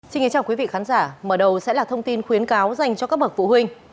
xin kính chào quý vị khán giả mở đầu sẽ là thông tin khuyến cáo dành cho các bậc phụ huynh